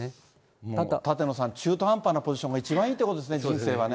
舘野さん、中途半端なポジションが一番いいということですね、人生はね。